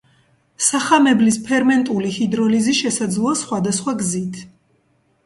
სახამებლის ფერმენტული ჰიდროლიზი შესაძლოა სხვადასხვა გზით.